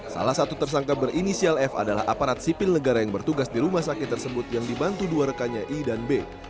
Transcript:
salah satu tersangka berinisial f adalah aparat sipil negara yang bertugas di rumah sakit tersebut yang dibantu dua rekannya i dan b